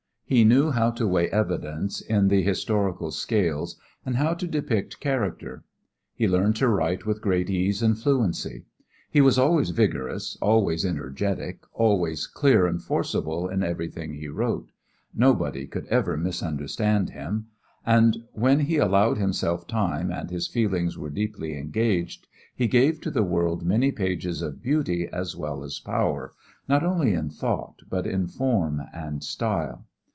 He knew how to weigh evidence in the historical scales and how to depict character. He learned to write with great ease and fluency. He was always vigorous, always energetic, always clear and forcible in everything he wrote nobody could ever misunderstand him and when he allowed himself time and his feelings were deeply engaged he gave to the world many pages of beauty as well as power, not only in thought but in form and style.